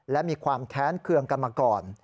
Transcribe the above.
และมีความแค้นเคืองกันมาก่อน